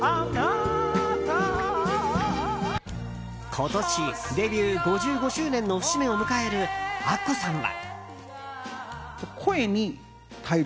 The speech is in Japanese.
今年デビュー５５周年の節目を迎えるアッコさんは。